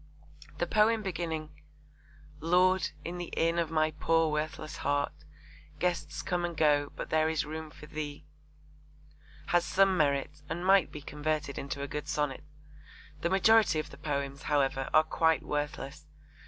The poem beginning Lord, in the inn of my poor worthless heart Guests come and go; but there is room for Thee, has some merit and might be converted into a good sonnet. The majority of the poems, however, are quite worthless.